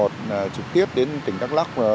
một mươi một mươi một trực tiếp đến tỉnh đắk lắc